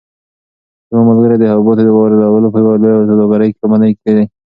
زما ملګری د حبوباتو د واردولو په یوه لویه سوداګریزه کمپنۍ کې دی.